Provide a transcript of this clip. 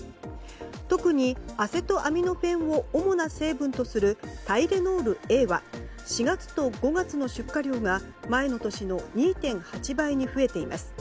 特にアセトアミノフェンを主な成分とするタイレノールＡは４月と５月の出荷量が前の年の２．８倍に増えています。